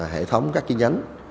hệ thống các chi nhánh